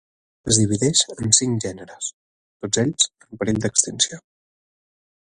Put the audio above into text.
Es divideix en cinc gèneres, tots ells en perill d'extinció.